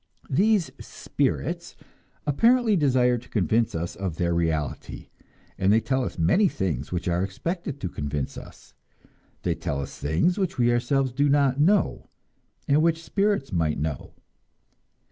These "spirits" apparently desire to convince us of their reality, and they tell us many things which are expected to convince us; they tell us things which we ourselves do not know, and which spirits might know.